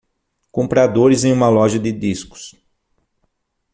Compradores em uma loja de discos.